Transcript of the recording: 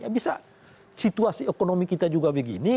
bisa situasi ekonomi kita juga begini